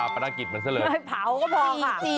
เผาก็พอค่ะ